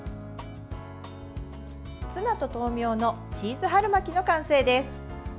ツナと豆苗のチーズ春巻きの完成です。